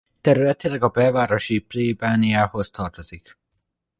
Területileg a belvárosi plébániához tartozik.